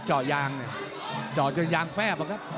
เจาะยางจนมันแพร่บก็ครับ